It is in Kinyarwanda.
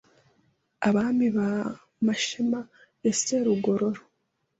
Abami ba Mashema ya Serugorora